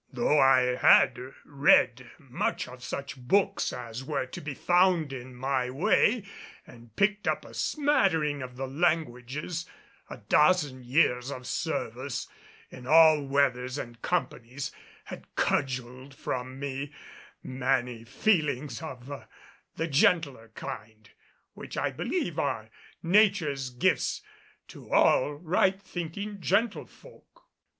Though I had read much of such books as were to be found in my way and picked up a smattering of the languages, a dozen years of service in all weathers and companies had cudgeled from me many feelings of the gentler kind which I believe are nature's gifts to all right thinking gentlefolk.